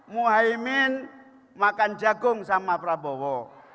muhaymin makan jagung sama prabowo